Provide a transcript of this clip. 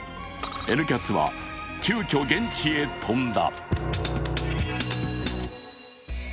「Ｎキャス」は急きょ現地へ飛んだ。